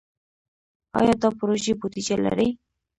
آیا دا پروژې بودیجه لري؟